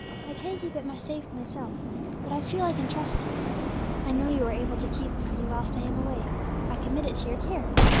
I can't keep it safe myself, but I feel I can trust you. I know you are able to keep it for me whilst I am away; I commit it to your care."